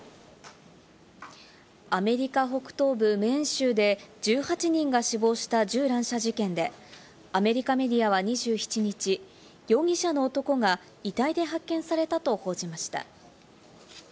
アメリカ北東部メーン州で１８人が死亡した銃乱射事件で、アメリカメディアは２７日、容疑者の男が遺体で発見されたと報じました。